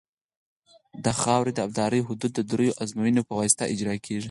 د خاورې د ابدارۍ حدود د دریو ازموینو په واسطه اجرا کیږي